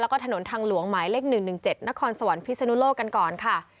แล้วก็ถนนทางหลวงหมายเลข๑๑๗นครสวรรพิศนุโลกกันก่อนค่ะ